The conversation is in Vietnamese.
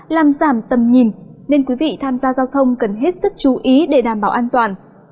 làm giảm tầm nhìn nên quý vị tham gia giao thông cần hết sức chú ý để đảm bảo an toàn